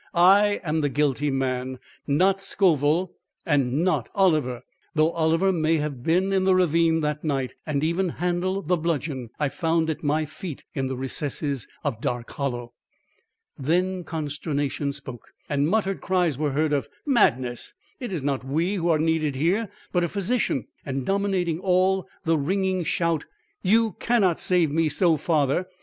I am the guilty man, not Scoville, and not Oliver, though Oliver may have been in the ravine that night and even handled the bludgeon I found at my feet in the recesses of Dark Hollow." Then consternation spoke, and muttered cries were heard of "Madness! It is not we who are needed here but a physician!" and dominating all, the ringing shout: "You cannot save me so, father.